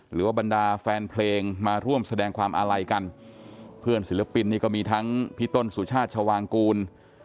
เหรอว่าบรรดาแฟนเพลงมาร่วมแสดงความอาลัยกันเพื่อนเสียดิบินในนี้ก็มีทั้งพระต้นศุชาธิชาวางกูล